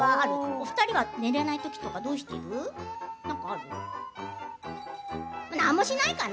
お二人は寝れないときとかどうしてる？なんかある？